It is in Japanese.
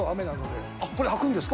これ開くんですか？